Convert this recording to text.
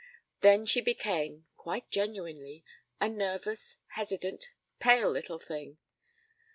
Then she became quite genuinely a nervous, hesitant, pale little thing.